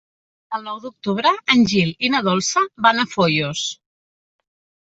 El nou d'octubre en Gil i na Dolça van a Foios.